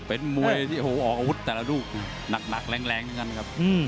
เป็นมวยออกอาวุธแต่ละรูปหนักแรงทั้งนั้นครับ